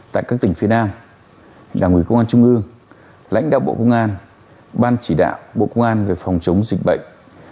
tại các tỉnh phía nam đảng ủy công an trung ương lãnh đạo bộ công an ban chỉ đạo bộ công an về phòng chống dịch bệnh